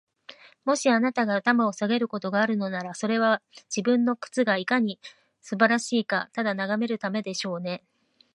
もし、あなたが頭を下げることがあるのなら、それは、自分の靴がいかに素晴らしいかをただ眺めるためでしょうね。